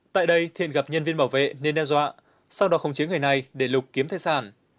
tại đây thiện gặp nhân viên bảo vệ nên đe dọa sau đó không chiếm người này để lục kiếm tài sản